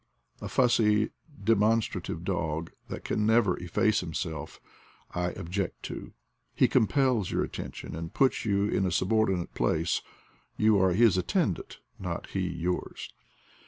A fussy, demonstra tive dog, that can never efface himself, I object to: he compels your attention, and puts you in a subordinate place: you are his attendant, not he yours.